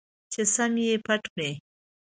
چې سم مې پټ کړي.